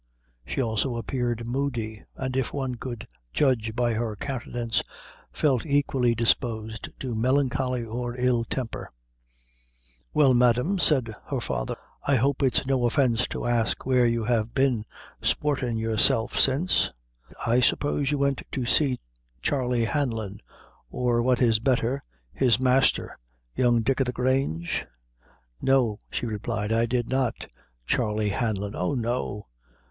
She also appeared moody; and if one could judge by her countenance, felt equally disposed to melancholy or ill temper. "Well, madam," said her father, "I hope it's no offence to ask you where you have been sportin' yourself since? I suppose you went to see Charley Hanlon; or, what is betther, his masther, young Dick o' the Grange?" "No," she replied, "I did not. Charley Hanlon! Oh, no!"